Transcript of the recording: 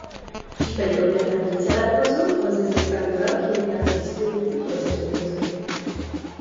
V případě objednání celého vozu lze sestavit velký jednací stůl uprostřed vozu.